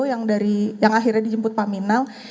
yang dari yang akhirnya dijemput pak minal